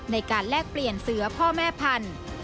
แลกเปลี่ยนเสือพ่อแม่พันธุ์